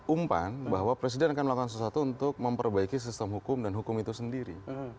umpan bahwa presiden akan melakukan sesuatu untuk memperbaiki sistem hukum dan hukum itu sendiri